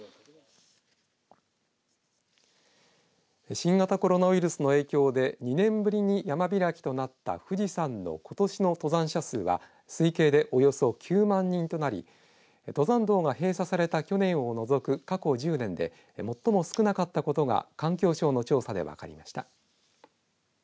新型コロナウイルスの影響で２年ぶりに山開きとなった富士山のことしの登山者数は推計でおよそ９万人となり登山道が閉鎖された去年を除く過去１０年で最も少なかったことが環境省の調査で分かりました。